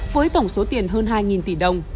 với tổng số tiền hơn hai tỷ đồng